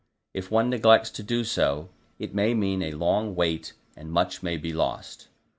If one neglects to do so, it may mean a long wait and much may be lost.